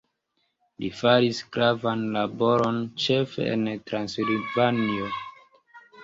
Li faris gravan laboron ĉefe en Transilvanio.